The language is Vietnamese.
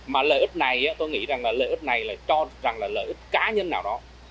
mà lợi ứng này tôi nghĩ là lợi ứng này là cho rằng là lợi ứng cá nhân nào đó